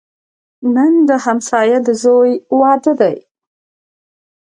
نن د همسایه د زوی واده دی